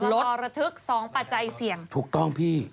ลดถูกต้องพี่